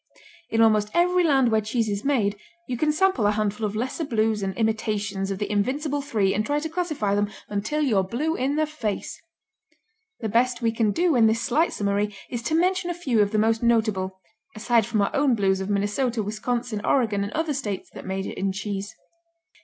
In almost every, land where cheese is made you can sample a handful of lesser Blues and imitations of the invincible three and try to classify them, until you're blue in the face. The best we can do in this slight summary is to mention a few of the most notable, aside from our own Blues of Minnesota, Wisconsin, Oregon and other states that major in cheese.